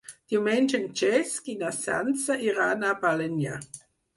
Diumenge en Cesc i na Sança iran a Balenyà.